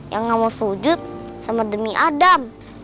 yang gak mau sujud sama demi adam